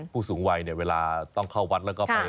ผู้สูงไวเวลาต้องเข้าวัดแล้วก็ไป